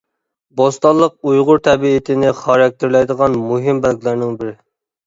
بوستانلىق ئۇيغۇر تەبىئىتىنى خاراكتېرلەيدىغان مۇھىم بەلگىلەرنىڭ بىرى.